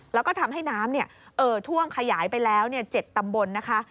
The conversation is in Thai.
แล้วก็ทำให้น้ำเอ่อท่วมขยายไปแล้ว๗ตำบลนะคะ